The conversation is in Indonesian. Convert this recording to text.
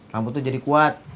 rambutnya jadi kuat